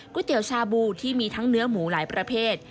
เตี๋ยวชาบูที่มีทั้งเนื้อหมูหลายประเภท